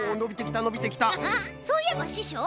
そういえばししょう！